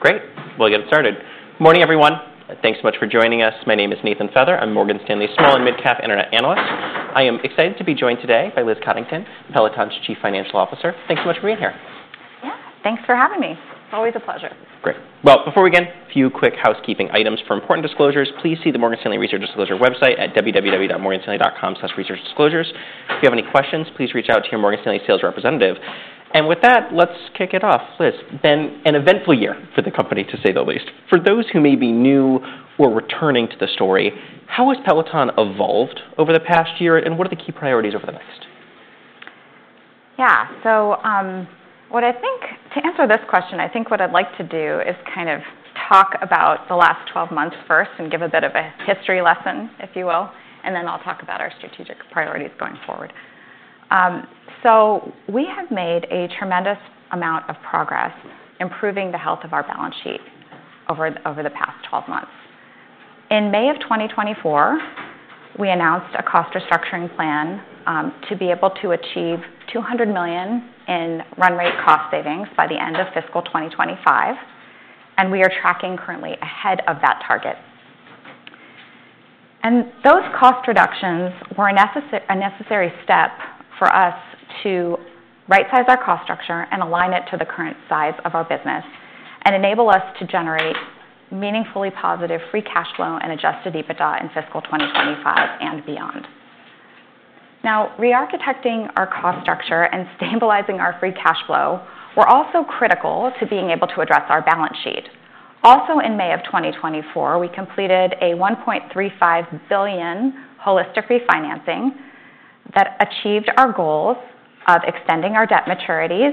Great. We'll get started. Good morning, everyone. Thanks so much for joining us. My name is Nathan Feather. I'm Morgan Stanley's small and mid-cap internet analyst. I am excited to be joined today by Liz Coddington, Peloton's Chief Financial Officer. Thanks so much for being here. Yeah. Thanks for having me. It's always a pleasure. Great. Well, before we begin, a few quick housekeeping items for important disclosures. Please see the Morgan Stanley Research Disclosure website at www.morganstanley.com/researchdisclosures. If you have any questions, please reach out to your Morgan Stanley sales representative. And with that, let's kick it off. Liz, it's been an eventful year for the company, to say the least. For those who may be new or returning to the story, how has Peloton evolved over the past year, and what are the key priorities over the next? Yeah. So to answer this question, I think what I'd like to do is kind of talk about the last 12 months first and give a bit of a history lesson, if you will, and then I'll talk about our strategic priorities going forward, so we have made a tremendous amount of progress improving the health of our balance sheet over the past 12 months. In May of 2024, we announced a cost restructuring plan to be able to achieve $200 million in run rate cost savings by the end of fiscal 2025, and we are tracking currently ahead of that target, and those cost reductions were a necessary step for us to right-size our cost structure and align it to the current size of our business and enable us to generate meaningfully positive free cash flow and Adjusted EBITDA in fiscal 2025 and beyond. Now, re-architecting our cost structure and stabilizing our free cash flow were also critical to being able to address our balance sheet. Also, in May of 2024, we completed a $1.35 billion holistic refinancing that achieved our goals of extending our debt maturities,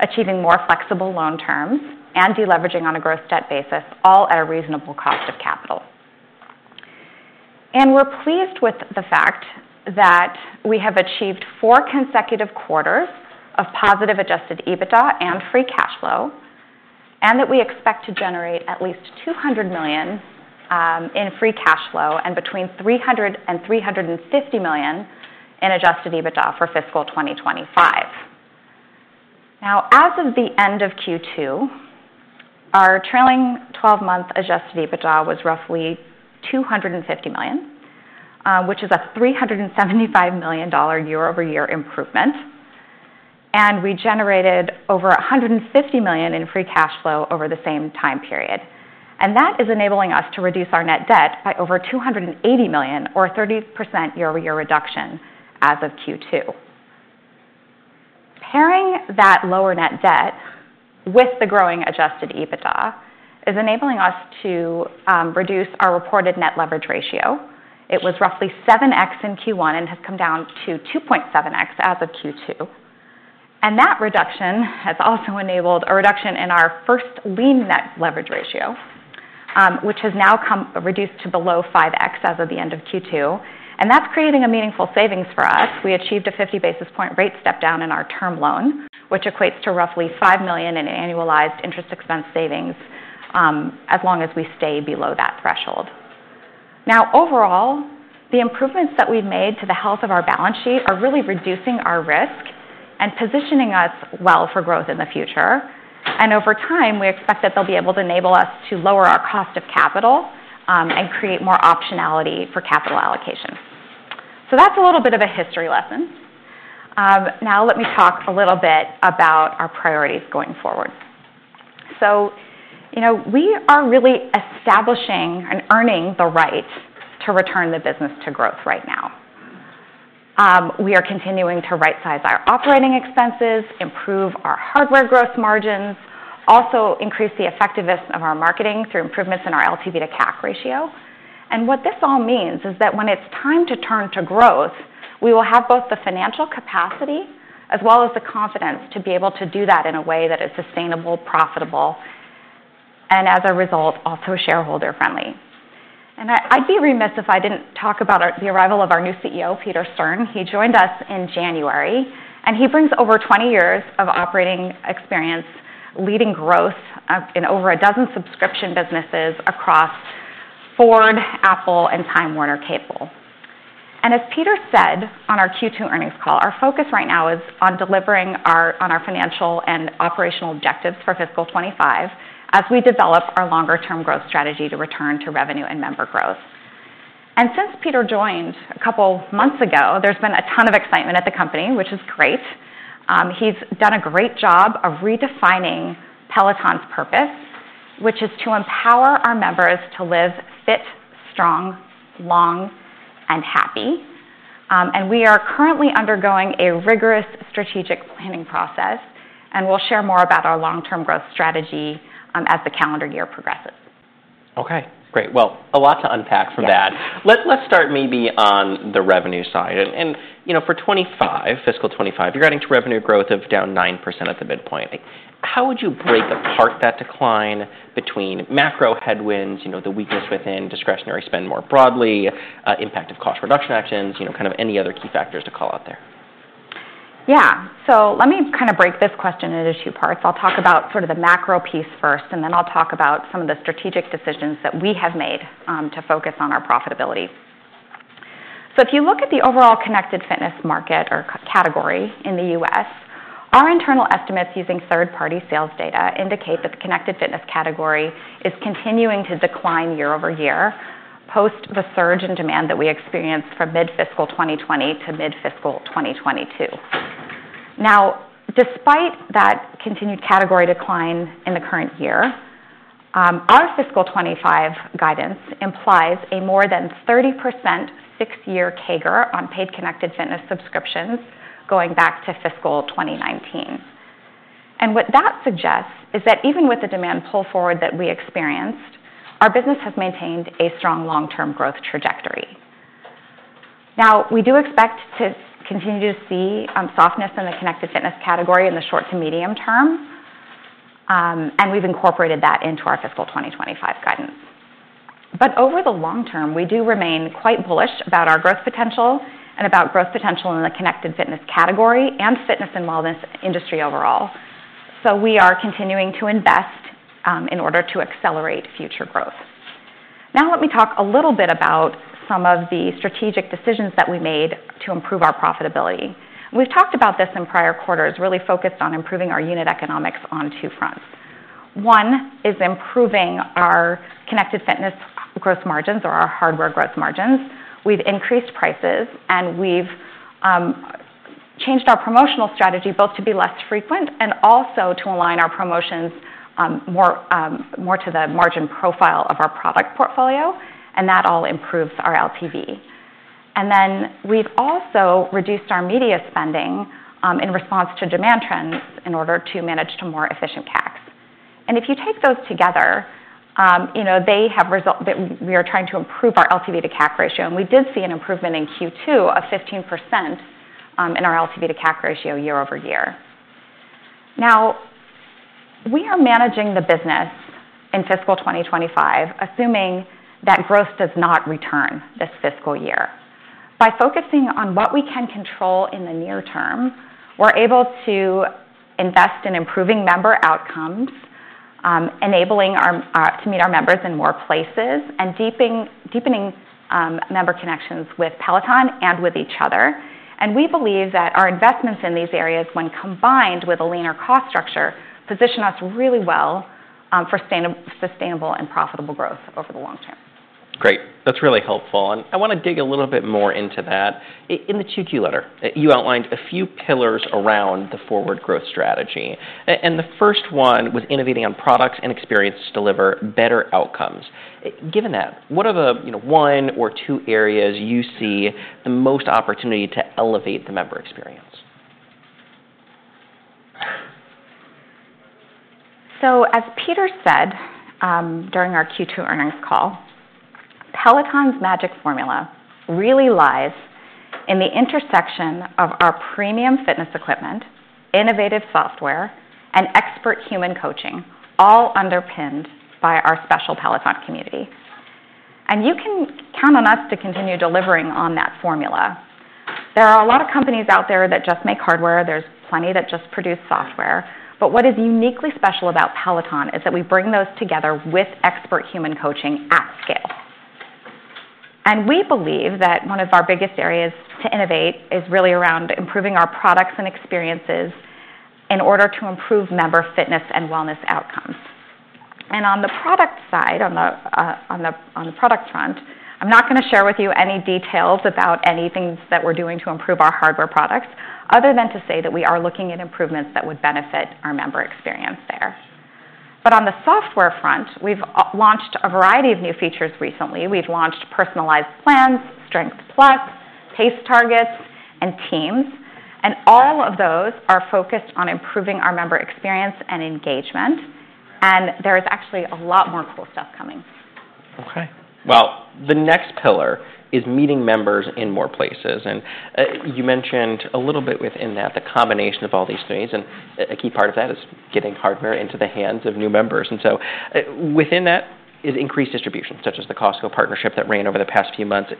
achieving more flexible loan terms, and deleveraging on a gross debt basis, all at a reasonable cost of capital. And we're pleased with the fact that we have achieved four consecutive quarters of positive Adjusted EBITDA and free cash flow, and that we expect to generate at least $200 million in free cash flow and between $300 and $350 million in Adjusted EBITDA for fiscal 2025. Now, as of the end of Q2, our trailing 12-month Adjusted EBITDA was roughly $250 million, which is a $375 million year-over-year improvement. And we generated over $150 million in free cash flow over the same time period. And that is enabling us to reduce our net debt by over $280 million, or a 30% year-over-year reduction as of Q2. Pairing that lower net debt with the growing Adjusted EBITDA is enabling us to reduce our reported net leverage ratio. It was roughly 7x in Q1 and has come down to 2.7x as of Q2. And that reduction has also enabled a reduction in our First Lien Net Leverage Ratio, which has now reduced to below 5x as of the end of Q2. And that's creating meaningful savings for us. We achieved a 50 basis point rate step down in our term loan, which equates to roughly $5 million in annualized interest expense savings as long as we stay below that threshold. Now, overall, the improvements that we've made to the health of our balance sheet are really reducing our risk and positioning us well for growth in the future, and over time, we expect that they'll be able to enable us to lower our cost of capital and create more optionality for capital allocation, so that's a little bit of a history lesson. Now, let me talk a little bit about our priorities going forward, so we are really establishing and earning the right to return the business to growth right now. We are continuing to right-size our operating expenses, improve our hardware gross margins, also increase the effectiveness of our marketing through improvements in our LTV to CAC ratio. What this all means is that when it's time to turn to growth, we will have both the financial capacity as well as the confidence to be able to do that in a way that is sustainable, profitable, and as a result, also shareholder-friendly. I'd be remiss if I didn't talk about the arrival of our new CEO, Peter Stern. He joined us in January, and he brings over 20 years of operating experience leading growth in over a dozen subscription businesses across Ford, Apple, and Time Warner Cable. As Peter said on our Q2 earnings call, our focus right now is on delivering our financial and operational objectives for fiscal 25 as we develop our longer-term growth strategy to return to revenue and member growth. Since Peter joined a couple of months ago, there's been a ton of excitement at the company, which is great. He's done a great job of redefining Peloton's purpose, which is to empower our members to live fit, strong, long, and happy. And we are currently undergoing a rigorous strategic planning process, and we'll share more about our long-term growth strategy as the calendar year progresses. Okay. Great. Well, a lot to unpack from that. Let's start maybe on the revenue side. And for fiscal 2025, you're adding to revenue growth of down 9% at the midpoint. How would you break apart that decline between macro headwinds, the weakness within discretionary spend more broadly, impact of cost reduction actions, kind of any other key factors to call out there? Yeah. So let me kind of break this question into two parts. I'll talk about sort of the macro piece first, and then I'll talk about some of the strategic decisions that we have made to focus on our profitability. So if you look at the overall Connected Fitness market or category in the U.S., our internal estimates using third-party sales data indicate that the Connected Fitness category is continuing to decline year over year post the surge in demand that we experienced from mid-fiscal 2020 to mid-fiscal 2022. Now, despite that continued category decline in the current year, our fiscal 25 guidance implies a more than 30% six-year CAGR on paid ConnectedFfitness subscriptions going back to fiscal 2019. And what that suggests is that even with the demand pull forward that we experienced, our business has maintained a strong long-term growth trajectory. Now, we do expect to continue to see softness in the Connected Fitness category in the short to medium term, and we've incorporated that into our fiscal 2025 guidance. But over the long term, we do remain quite bullish about our growth potential and about growth potential in the connected fitness category and fitness and wellness industry overall. So we are continuing to invest in order to accelerate future growth. Now, let me talk a little bit about some of the strategic decisions that we made to improve our profitability. We've talked about this in prior quarters, really focused on improving our unit economics on two fronts. One is improving our connected fitness gross margins or our hardware gross margins. We've increased prices, and we've changed our promotional strategy both to be less frequent and also to align our promotions more to the margin profile of our product portfolio, and that all improves our LTV. And then we've also reduced our media spending in response to demand trends in order to manage to more efficient CACs. And if you take those together, we are trying to improve our LTV to CAC ratio, and we did see an improvement in Q2 of 15% in our LTV to CAC ratio year over year. Now, we are managing the business in fiscal 2025, assuming that growth does not return this fiscal year. By focusing on what we can control in the near term, we're able to invest in improving member outcomes, enabling to meet our members in more places, and deepening member connections with Peloton and with each other. We believe that our investments in these areas, when combined with a leaner cost structure, position us really well for sustainable and profitable growth over the long term. Great. That's really helpful, and I want to dig a little bit more into that. In the Q2 letter, you outlined a few pillars around the forward growth strategy, and the first one was innovating on products and experience to deliver better outcomes. Given that, what are the one or two areas you see the most opportunity to elevate the member experience? So as Peter said during our Q2 earnings call, Peloton's magic formula really lies in the intersection of our premium fitness equipment, innovative software, and expert human coaching, all underpinned by our special Peloton community. And you can count on us to continue delivering on that formula. There are a lot of companies out there that just make hardware. There's plenty that just produce software. But what is uniquely special about Peloton is that we bring those together with expert human coaching at scale. And we believe that one of our biggest areas to innovate is really around improving our products and experiences in order to improve member fitness and wellness outcomes. On the product side, on the product front, I'm not going to share with you any details about any things that we're doing to improve our hardware products other than to say that we are looking at improvements that would benefit our member experience there. On the software front, we've launched a variety of new features recently. We've launched Personalized Plans, Strength+, Pace Targets, and Teams. All of those are focused on improving our member experience and engagement. There is actually a lot more cool stuff coming. Okay. Well, the next pillar is meeting members in more places. And you mentioned a little bit within that the combination of all these things. And a key part of that is getting hardware into the hands of new members. And so within that is increased distribution, such as the Costco partnership that ran over the past few months.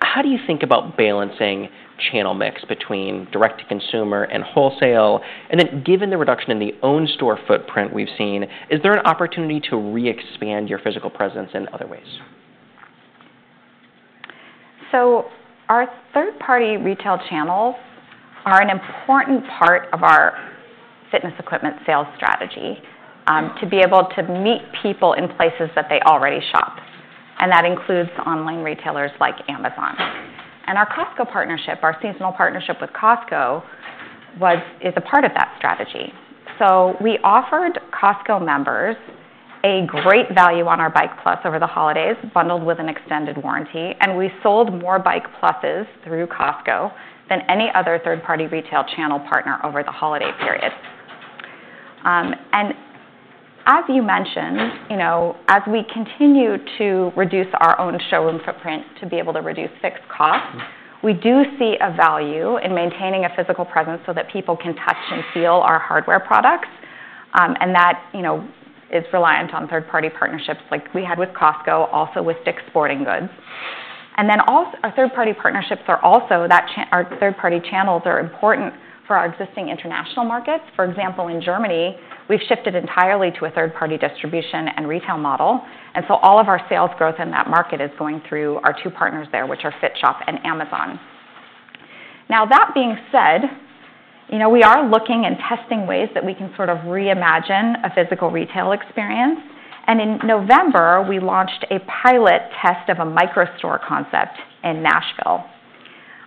How do you think about balancing channel mix between direct-to-consumer and wholesale? And then given the reduction in the own store footprint we've seen, is there an opportunity to re-expand your physical presence in other ways? Our third-party retail channels are an important part of our fitness equipment sales strategy to be able to meet people in places that they already shop. And that includes online retailers like Amazon. And our Costco partnership, our seasonal partnership with Costco, is a part of that strategy. We offered Costco members a great value on our Bike+ over the holidays, bundled with an extended warranty. And we sold more Bike+ through Costco than any other third-party retail channel partner over the holiday period. And as you mentioned, as we continue to reduce our own showroom footprint to be able to reduce fixed costs, we do see a value in maintaining a physical presence so that people can touch and feel our hardware products. And that is reliant on third-party partnerships like we had with Costco, also with Dick's Sporting Goods. And then our third-party partnerships are also that our third-party channels are important for our existing international markets. For example, in Germany, we've shifted entirely to a third-party distribution and retail model. And so all of our sales growth in that market is going through our two partners there, which are Fitshop and Amazon. Now, that being said, we are looking and testing ways that we can sort of reimagine a physical retail experience. And in November, we launched a pilot test of a microstore concept in Nashville.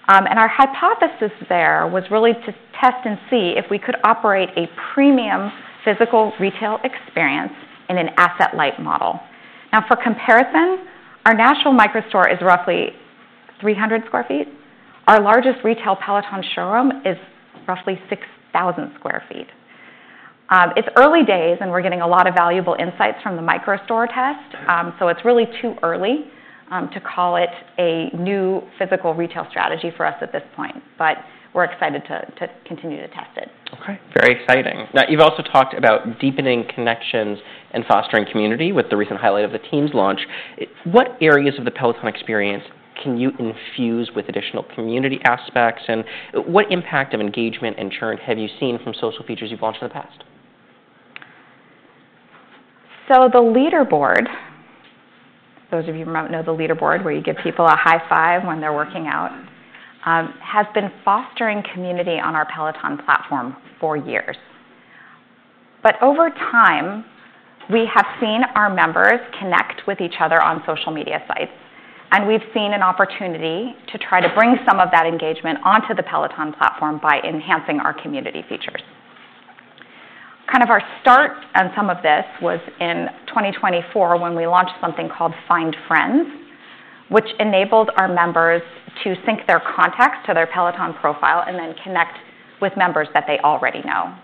And our hypothesis there was really to test and see if we could operate a premium physical retail experience in an asset-light model. Now, for comparison, our national microstore is roughly 300 sq ft. Our largest retail Peloton showroom is roughly 6,000 sq ft. It's early days, and we're getting a lot of valuable insights from the microstore test. So it's really too early to call it a new physical retail strategy for us at this point, but we're excited to continue to test it. Okay. Very exciting. Now, you've also talked about deepening connections and fostering community with the recent highlight of the Teams launch. What areas of the Peloton experience can you infuse with additional community aspects? And what impact of engagement and churn have you seen from social features you've launched in the past? The leaderboard, those of you who know the leaderboard where you give people a high five when they're working out, has been fostering community on our Peloton platform for years. But over time, we have seen our members connect with each other on social media sites. And we've seen an opportunity to try to bring some of that engagement onto the Peloton platform by enhancing our community features. Kind of our start on some of this was in 2024 when we launched something called Find Friends, which enabled our members to sync their contacts to their Peloton profile and then connect with members that they already know.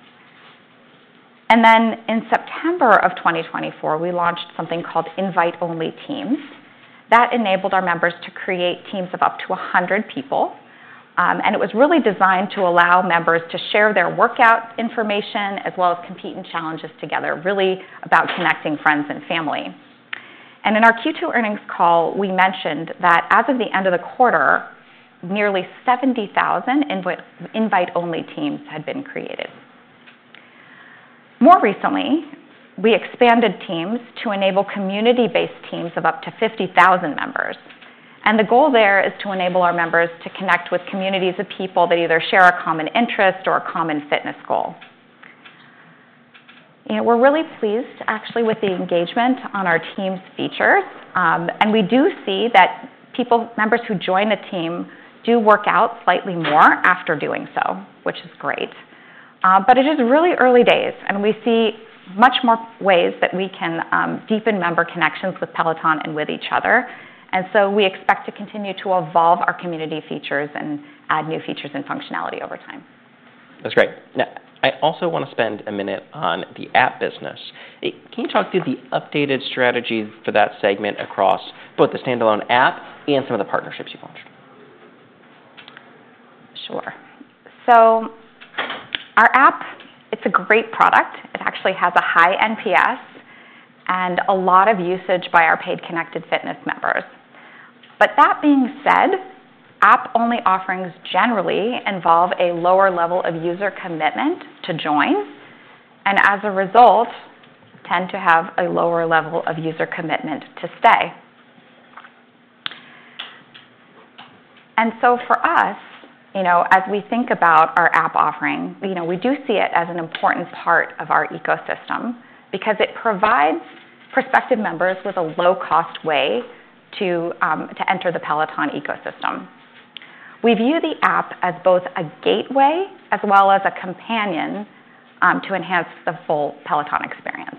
And then in September of 2024, we launched something called Invite Only Teams. That enabled our members to create teams of up to 100 people. And it was really designed to allow members to share their workout information as well as compete in challenges together, really about connecting friends and family. And in our Q2 earnings call, we mentioned that as of the end of the quarter, nearly 70,000 Invite Only Teams had been created. More recently, we expanded Teams to enable community-based teams of up to 50,000 members. And the goal there is to enable our members to connect with communities of people that either share a common interest or a common fitness goal. We're really pleased, actually, with the engagement on our Teams features. And we do see that members who join a team do work out slightly more after doing so, which is great. But it is really early days, and we see much more ways that we can deepen member connections with Peloton and with each other. We expect to continue to evolve our community features and add new features and functionality over time. That's great. Now, I also want to spend a minute on the app business. Can you talk through the updated strategy for that segment across both the standalone app and some of the partnerships you've launched? Sure. So our app, it's a great product. It actually has a high NPS and a lot of usage by our paid connected fitness members. But that being said, app-only offerings generally involve a lower level of user commitment to join. And as a result, tend to have a lower level of user commitment to stay. And so for us, as we think about our app offering, we do see it as an important part of our ecosystem because it provides prospective members with a low-cost way to enter the Peloton ecosystem. We view the app as both a gateway as well as a companion to enhance the full Peloton experience.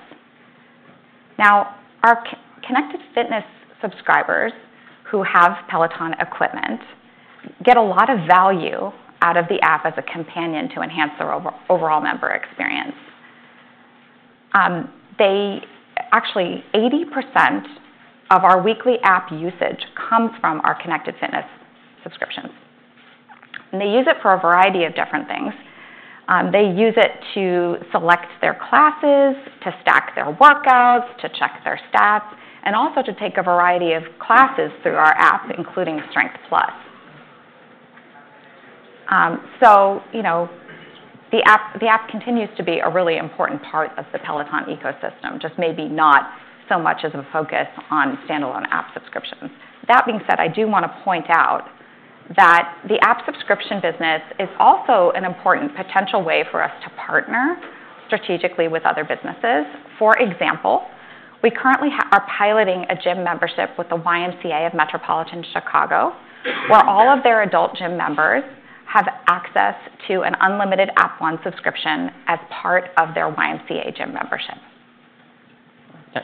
Now, our connected fitness subscribers who have Peloton equipment get a lot of value out of the app as a companion to enhance their overall member experience. Actually, 80% of our weekly app usage comes from our connected fitness subscriptions, and they use it for a variety of different things. They use it to select their classes, to stack their workouts, to check their stats, and also to take a variety of classes through our app, including Strength+. The app continues to be a really important part of the Peloton ecosystem, just maybe not so much as a focus on standalone app subscriptions. That being said, I do want to point out that the app subscription business is also an important potential way for us to partner strategically with other businesses. For example, we currently are piloting a gym membership with the YMCA of Metropolitan Chicago, where all of their adult gym members have access to an unlimited app-only subscription as part of their YMCA gym membership.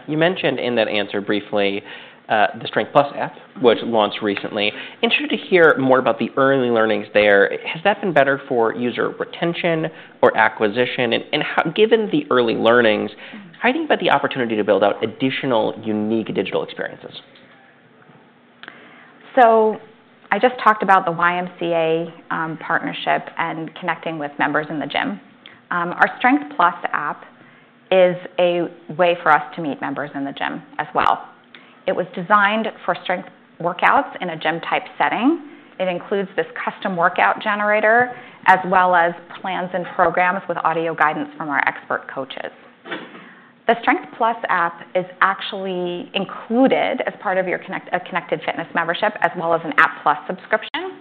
You mentioned in that answer briefly the Strength+ app, which launched recently. Interested to hear more about the early learnings there. Has that been better for user retention or acquisition? And given the early learnings, how do you think about the opportunity to build out additional unique digital experiences? So I just talked about the YMCA partnership and connecting with members in the gym. Our Strength+ app is a way for us to meet members in the gym as well. It was designed for strength workouts in a gym-type setting. It includes this custom workout generator as well as plans and programs with audio guidance from our expert coaches. The Strength+ app is actually included as part of your connected fitness membership as well as an App+ subscription.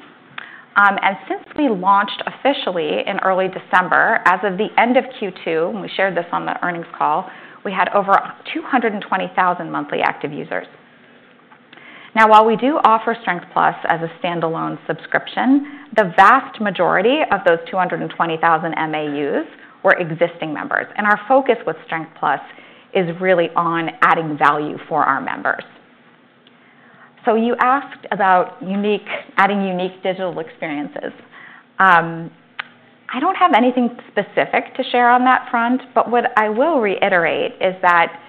And since we launched officially in early December, as of the end of Q2, and we shared this on the earnings call, we had over 220,000 monthly active users. Now, while we do offer Strength+ as a standalone subscription, the vast majority of those 220,000 MAUs were existing members. And our focus with Strength+ is really on adding value for our members. You asked about adding unique digital experiences. I don't have anything specific to share on that front. But what I will reiterate is that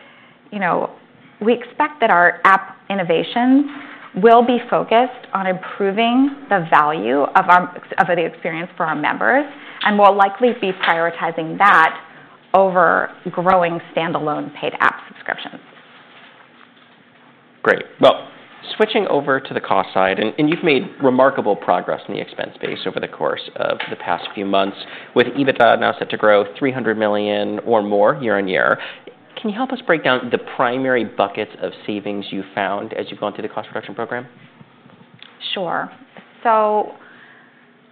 we expect that our app innovations will be focused on improving the value of the experience for our members, and we'll likely be prioritizing that over growing standalone paid app subscriptions. Great. Well, switching over to the cost side, and you've made remarkable progress in the expense base over the course of the past few months with EBITDA now set to grow $300 million or more year on year. Can you help us break down the primary buckets of savings you found as you've gone through the cost reduction program? Sure, so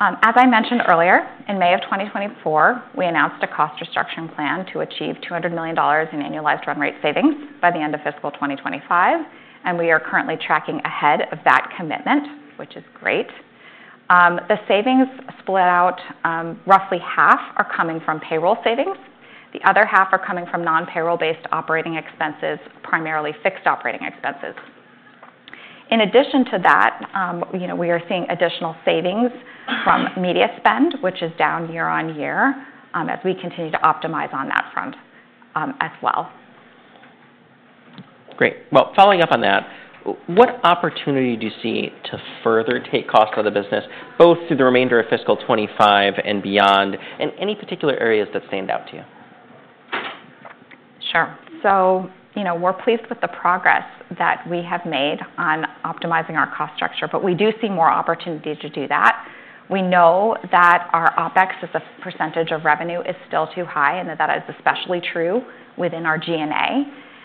as I mentioned earlier, in May of 2024, we announced a cost restructuring plan to achieve $200 million in annualized run rate savings by the end of fiscal 2025, and we are currently tracking ahead of that commitment, which is great. The savings split out, roughly half are coming from payroll savings. The other half are coming from non-payroll-based operating expenses, primarily fixed operating expenses. In addition to that, we are seeing additional savings from media spend, which is down year on year as we continue to optimize on that front as well. Great. Well, following up on that, what opportunity do you see to further take costs out of the business, both through the remainder of fiscal 2025 and beyond, and any particular areas that stand out to you? Sure. So we're pleased with the progress that we have made on optimizing our cost structure. But we do see more opportunity to do that. We know that our OpEx as a percentage of revenue is still too high, and that is especially true within our G&A.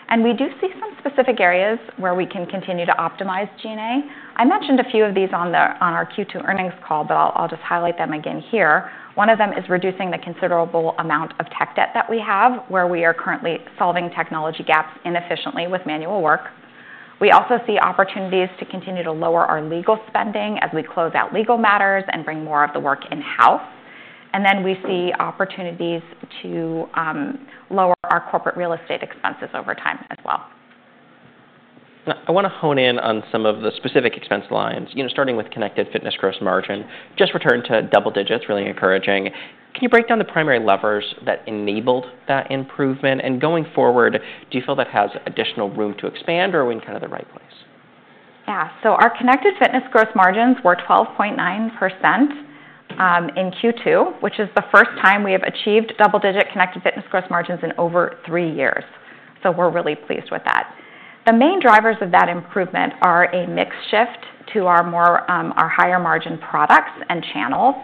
And we do see some specific areas where we can continue to optimize G&A. I mentioned a few of these on our Q2 earnings call, but I'll just highlight them again here. One of them is reducing the considerable amount of tech debt that we have, where we are currently solving technology gaps inefficiently with manual work. We also see opportunities to continue to lower our legal spending as we close out legal matters and bring more of the work in-house. And then we see opportunities to lower our corporate real estate expenses over time as well. I want to hone in on some of the specific expense lines, starting with connected fitness gross margin. Just returned to double digits, really encouraging. Can you break down the primary levers that enabled that improvement? And going forward, do you feel that has additional room to expand or are we in kind of the right place? Yeah. So our connected fitness gross margins were 12.9% in Q2, which is the first time we have achieved double-digit connected fitness gross margins in over three years. So we're really pleased with that. The main drivers of that improvement are a mixed shift to our higher margin products and channels.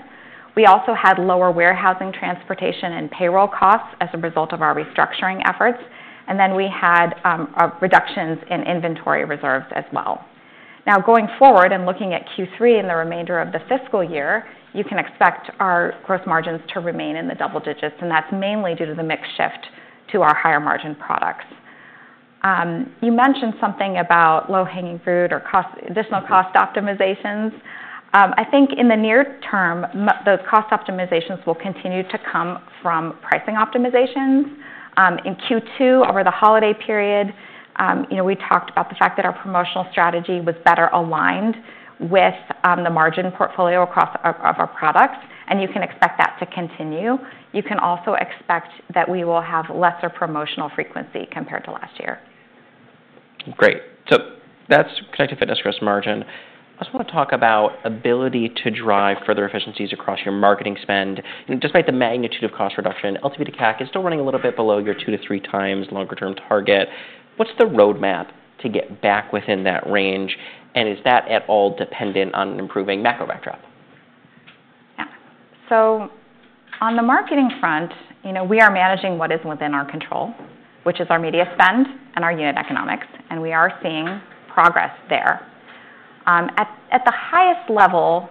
We also had lower warehousing, transportation, and payroll costs as a result of our restructuring efforts. And then we had reductions in inventory reserves as well. Now, going forward and looking at Q3 and the remainder of the fiscal year, you can expect our gross margins to remain in the double digits. And that's mainly due to the mixed shift to our higher margin products. You mentioned something about low-hanging fruit or additional cost optimizations. I think in the near term, those cost optimizations will continue to come from pricing optimizations. In Q2, over the holiday period, we talked about the fact that our promotional strategy was better aligned with the margin portfolio across our products, and you can expect that to continue. You can also expect that we will have lesser promotional frequency compared to last year. Great. So that's connected fitness gross margin. I also want to talk about the ability to drive further efficiencies across your marketing spend. Despite the magnitude of cost reduction, LTV to CAC is still running a little bit below your 2-3x longer-term target. What's the roadmap to get back within that range? And is that at all dependent on improving macro backdrop? Yeah. So on the marketing front, we are managing what is within our control, which is our media spend and our unit economics. And we are seeing progress there. At the highest level,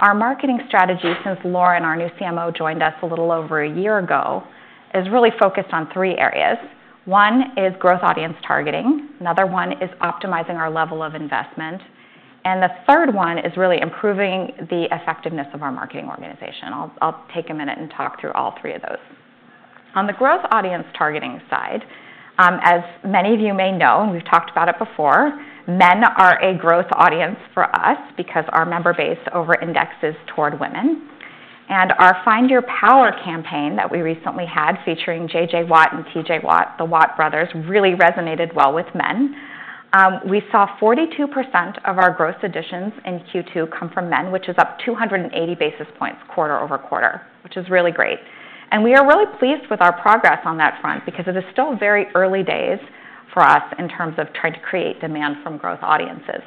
our marketing strategy, since Lauren and our new CMO joined us a little over a year ago, is really focused on three areas. One is growth audience targeting. Another one is optimizing our level of investment. And the third one is really improving the effectiveness of our marketing organization. I'll take a minute and talk through all three of those. On the growth audience targeting side, as many of you may know, and we've talked about it before, men are a growth audience for us because our member base over-indexes toward women. And our Find Your Power campaign that we recently had featuring J.J. Watt and T.J. Watt, the Watt brothers, really resonated well with men. We saw 42% of our gross additions in Q2 come from men, which is up 280 basis points quarter over quarter, which is really great, and we are really pleased with our progress on that front because it is still very early days for us in terms of trying to create demand from growth audiences.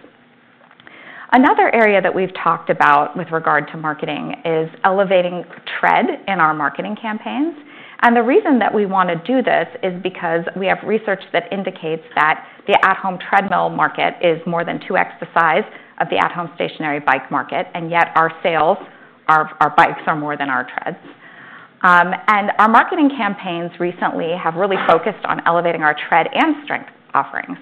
Another area that we've talked about with regard to marketing is elevating Tread in our marketing campaigns. And the reason that we want to do this is because we have research that indicates that the at-home treadmill market is more than 2x the size of the at-home stationary bike market, and yet our sales, our Bikes, are more than our Treads. And our marketing campaigns recently have really focused on elevating our Tread and Strength offerings,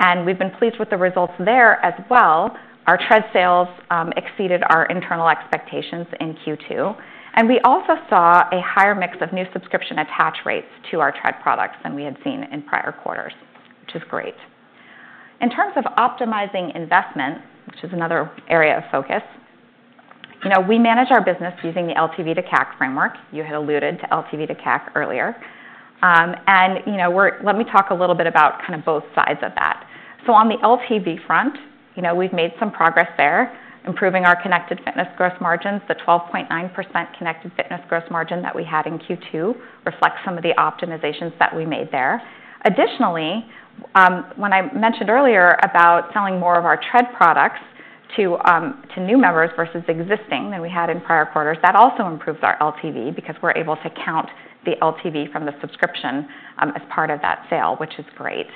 and we've been pleased with the results there as well. Our Tread sales exceeded our internal expectations in Q2. And we also saw a higher mix of new subscription attach rates to our Tread products than we had seen in prior quarters, which is great. In terms of optimizing investment, which is another area of focus, we manage our business using the LTV to CAC framework. You had alluded to LTV to CAC earlier. And let me talk a little bit about kind of both sides of that. So on the LTV front, we've made some progress there, improving our connected fitness gross margins. The 12.9% connected fitness gross margin that we had in Q2 reflects some of the optimizations that we made there. Additionally, when I mentioned earlier about selling more of our Tread products to new members versus existing than we had in prior quarters, that also improves our LTV because we're able to count the LTV from the subscription as part of that sale, which is great.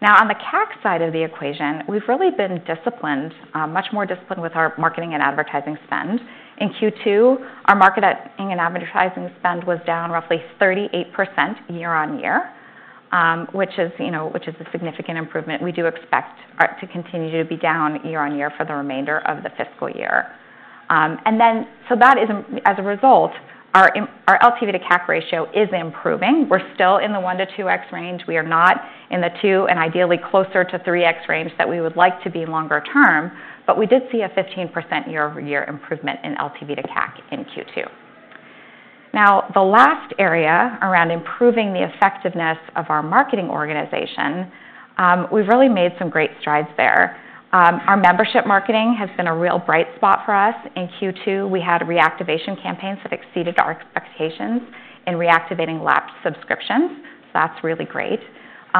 Now, on the CAC side of the equation, we've really been disciplined, much more disciplined with our marketing and advertising spend. In Q2, our marketing and advertising spend was down roughly 38% year on year, which is a significant improvement. We do expect to continue to be down year on year for the remainder of the fiscal year. And then so that is, as a result, our LTV to CAC ratio is improving. We're still in the 1 to 2x range. We are not in the 2 and ideally closer to 3x range that we would like to be longer term. But we did see a 15% year-over-year improvement in LTV to CAC in Q2. Now, the last area around improving the effectiveness of our marketing organization, we've really made some great strides there. Our membership marketing has been a real bright spot for us. In Q2, we had reactivation campaigns that exceeded our expectations in reactivating lapsed subscriptions. So that's really great.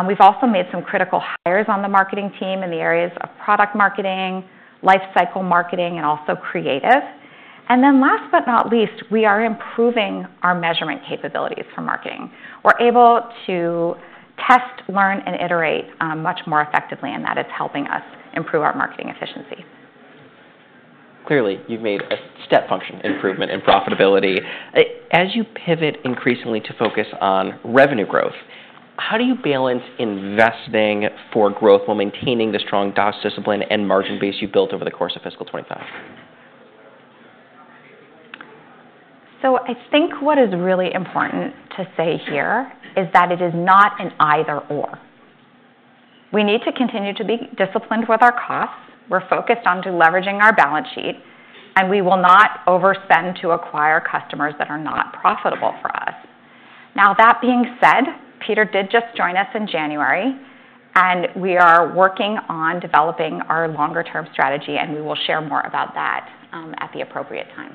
We've also made some critical hires on the marketing team in the areas of product marketing, lifecycle marketing, and also creative. And then last but not least, we are improving our measurement capabilities for marketing. We're able to test, learn, and iterate much more effectively. And that is helping us improve our marketing efficiency. Clearly, you've made a step function improvement in profitability. As you pivot increasingly to focus on revenue growth, how do you balance investing for growth while maintaining the strong DOS discipline and margin base you built over the course of fiscal 2025? So I think what is really important to say here is that it is not an either/or. We need to continue to be disciplined with our costs. We're focused on leveraging our balance sheet. And we will not overspend to acquire customers that are not profitable for us. Now, that being said, Peter did just join us in January. And we are working on developing our longer-term strategy. And we will share more about that at the appropriate time.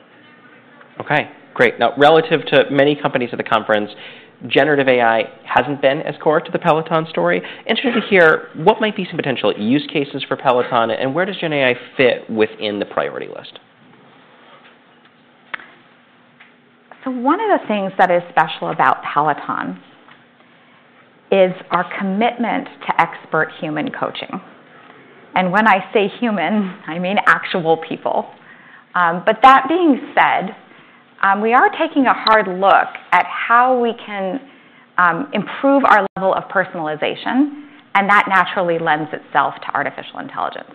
OK. Great. Now, relative to many companies at the conference, Generative AI hasn't been as core to the Peloton story. Interested to hear what might be some potential use cases for Peloton, and where does GenAI fit within the priority list? So one of the things that is special about Peloton is our commitment to expert human coaching. And when I say human, I mean actual people. But that being said, we are taking a hard look at how we can improve our level of personalization. And that naturally lends itself to artificial intelligence.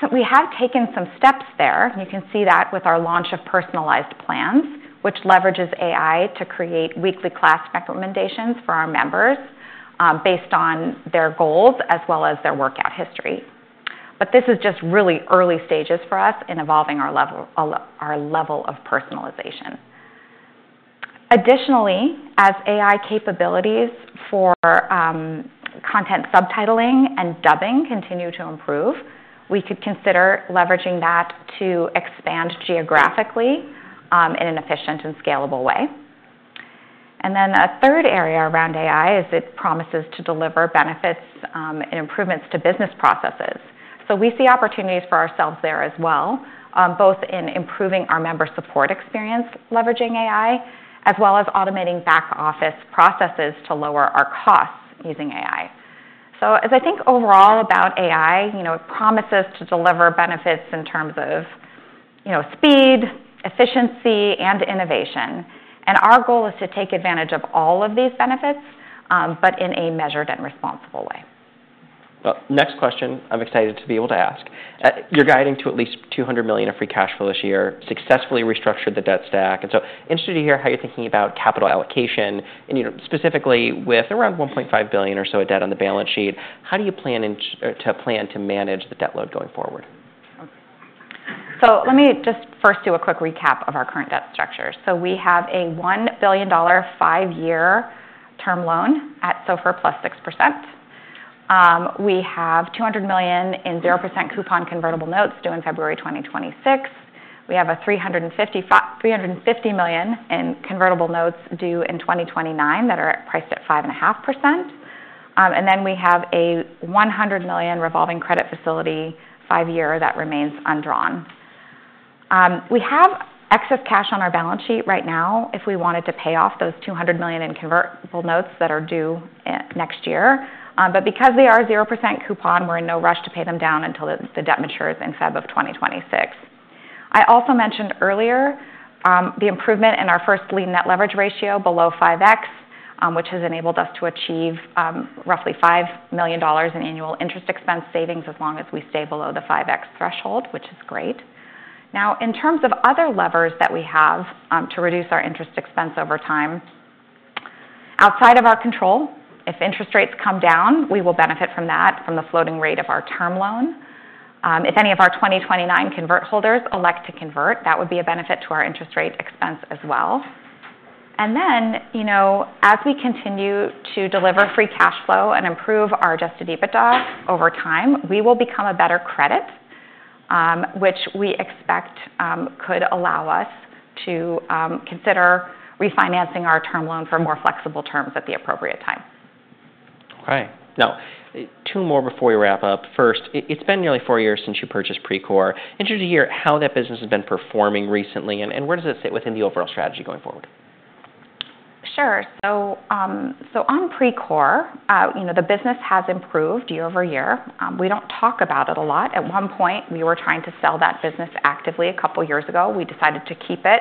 So we have taken some steps there. You can see that with our launch of personalized plans, which leverages AI to create weekly class recommendations for our members based on their goals as well as their workout history. But this is just really early stages for us in evolving our level of personalization. Additionally, as AI capabilities for content subtitling and dubbing continue to improve, we could consider leveraging that to expand geographically in an efficient and scalable way. And then a third area around AI is it promises to deliver benefits and improvements to business processes. So we see opportunities for ourselves there as well, both in improving our member support experience leveraging AI, as well as automating back office processes to lower our costs using AI. So as I think overall about AI, it promises to deliver benefits in terms of speed, efficiency, and innovation. And our goal is to take advantage of all of these benefits, but in a measured and responsible way. Next question, I'm excited to be able to ask. You're guiding to at least $200 million in free cash flow this year, successfully restructured the debt stack. And so interested to hear how you're thinking about capital allocation. And specifically, with around $1.5 billion or so of debt on the balance sheet, how do you plan to manage the debt load going forward? So let me just first do a quick recap of our current debt structure. So we have a $1 billion five-year term loan at SOFR plus 6%. We have $200 million in 0% coupon convertible notes due in February 2026. We have $350 million in convertible notes due in 2029 that are priced at 5.5%. And then we have a $100 million revolving credit facility five-year that remains undrawn. We have excess cash on our balance sheet right now if we wanted to pay off those $200 million in convertible notes that are due next year. But because they are 0% coupon, we're in no rush to pay them down until the debt matures in February of 2026. I also mentioned earlier the improvement in our First Lien Net Leverage Ratio below 5x, which has enabled us to achieve roughly $5 million in annual interest expense savings as long as we stay below the 5x threshold, which is great. Now, in terms of other levers that we have to reduce our interest expense over time, outside of our control, if interest rates come down, we will benefit from that, from the floating rate of our term loan. If any of our 2029 convert holders elect to convert, that would be a benefit to our interest rate expense as well, and then as we continue to deliver Free Cash Flow and improve our Adjusted EBITDA over time, we will become a better credit, which we expect could allow us to consider refinancing our term loan for more flexible terms at the appropriate time. OK. Now, two more before we wrap up. First, it's been nearly four years since you purchased Precor. Interested to hear how that business has been performing recently. Where does it sit within the overall strategy going forward? Sure. So on Precor, the business has improved year over year. We don't talk about it a lot. At one point, we were trying to sell that business actively a couple of years ago. We decided to keep it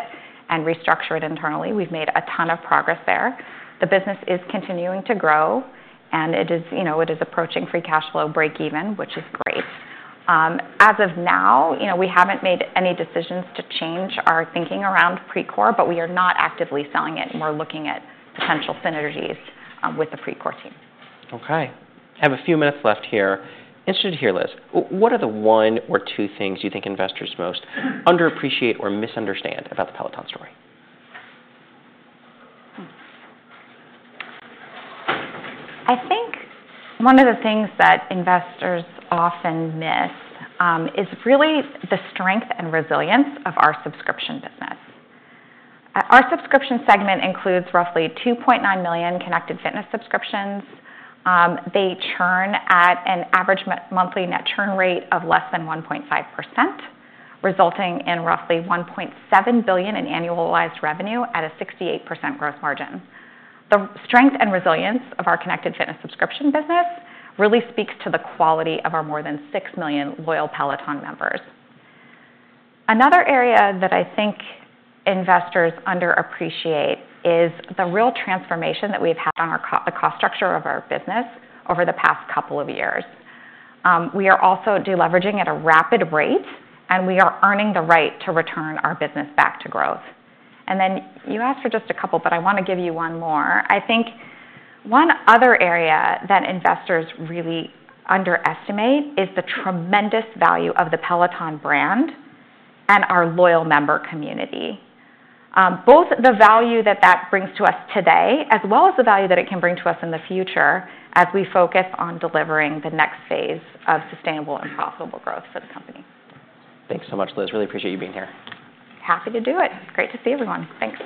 and restructure it internally. We've made a ton of progress there. The business is continuing to grow. And it is approaching free cash flow break-even, which is great. As of now, we haven't made any decisions to change our thinking around Precor. But we are not actively selling it. And we're looking at potential synergies with the Precor team. OK. I have a few minutes left here. Interested to hear, Liz, what are the one or two things you think investors most underappreciate or misunderstand about the Peloton story? I think one of the things that investors often miss is really the strength and resilience of our subscription business. Our subscription segment includes roughly 2.9 million connected fitness subscriptions. They churn at an average monthly net churn rate of less than 1.5%, resulting in roughly $1.7 billion in annualized revenue at a 68% gross margin. The strength and resilience of our connected fitness subscription business really speaks to the quality of our more than 6 million loyal Peloton members. Another area that I think investors underappreciate is the real transformation that we've had on the cost structure of our business over the past couple of years. We are also deleveraging at a rapid rate. And we are earning the right to return our business back to growth. And then you asked for just a couple. But I want to give you one more. I think one other area that investors really underestimate is the tremendous value of the Peloton brand and our loyal member community, both the value that that brings to us today as well as the value that it can bring to us in the future as we focus on delivering the next phase of sustainable and profitable growth for the company. Thanks so much, Liz. Really appreciate you being here. Happy to do it. It's great to see everyone. Thanks.